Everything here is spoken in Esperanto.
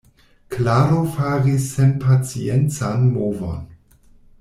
Klaro faris senpaciencan movon.